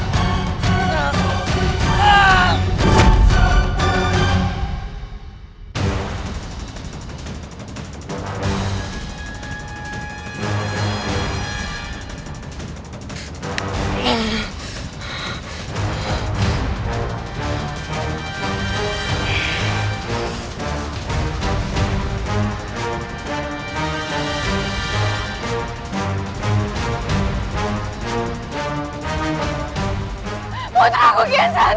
putra kukian santang